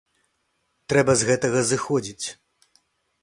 Трэба з гэтага зыходзіць.